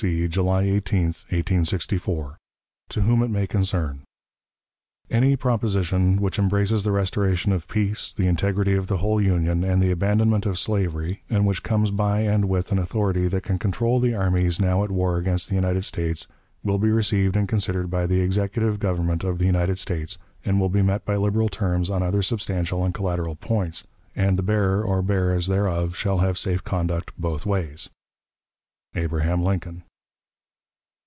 C, July 18, 1864. "To whom it may concern: "Any proposition which embraces the restoration of peace, the integrity of the whole union, and the abandonment of slavery, and which comes by and with an authority that can control the armies now at war against the United States, will be received and considered by the Executive Government of the United States, and will be met by liberal terms on other substantial and collateral points, and the bearer or bearers thereof shall have safe conduct both ways. "ABRAHAM LINCOLN."